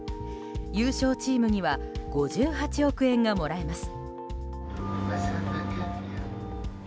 優勝チームには５８億円がもらえます。